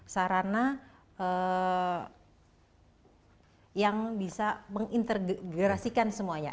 sarana yang bisa mengintegrasikan semuanya